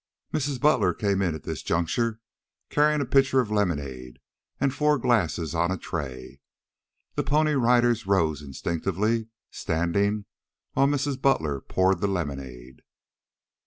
Mrs. Butler came in at this juncture, carrying a pitcher of lemonade and four glasses on a tray. The Pony Riders rose instinctively, standing while Mrs. Butler poured the lemonade.